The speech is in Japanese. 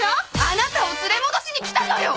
あなたを連れ戻しに来たのよ。